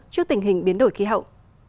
trước tình hình biến đổi khí hậu